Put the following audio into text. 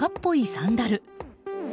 サンダル。